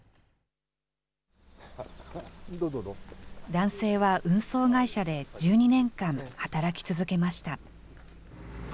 男性は運送会社で１２年間、働き続けました。